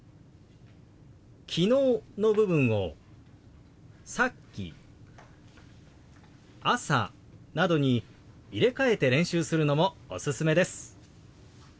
「昨日」の部分を「さっき」「朝」などに入れ替えて練習するのもおすすめです。